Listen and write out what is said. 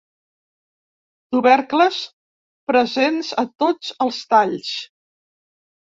Tubercles presents a tots els talls.